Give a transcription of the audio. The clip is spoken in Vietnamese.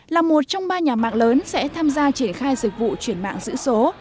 là một trong ba nhà mạng lớn sẽ tham gia triển khai dịch vụ chuyển mạng giữ số